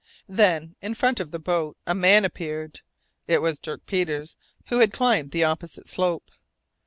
Then, in front of the boat, a man appeared. It was Dirk Peters, who had climbed the opposite slope.